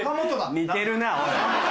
似てるなおい。